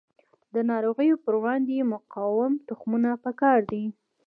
د ناروغیو په وړاندې مقاوم تخمونه پکار دي.